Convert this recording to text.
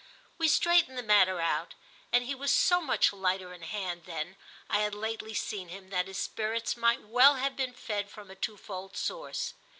We straightened the matter out, and he was so much lighter in hand than I had lately seen him that his spirits might well have been fed from a twofold source.